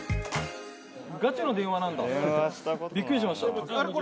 ガチの電話なんだビックリしました。